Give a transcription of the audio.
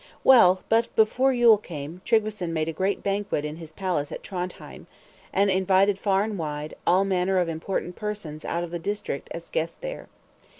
Well, but before Yule came, Tryggveson made a great banquet in his palace at Trondhjem, and invited far and wide, all manner of important persons out of the district as guests there.